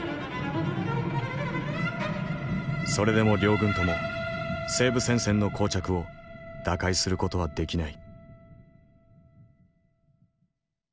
それでも両軍とも西部戦線のこう着を打開する事はできない。